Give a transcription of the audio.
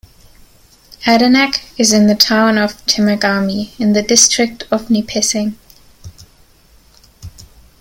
Adanac is in the Town of Temagami, in the District of Nipissing.